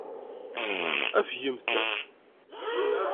Afgemt.